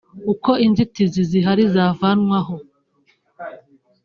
uko inzitizi zihari zavanwaho